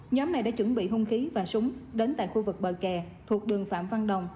nhóm này đã chuẩn bị hung khí và súng đến tại khu vực bờ kè thuộc đường phạm văn đồng